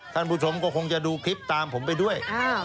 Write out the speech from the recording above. ท่านผู้ชมก็คงจะดูคลิปตามผมไปด้วย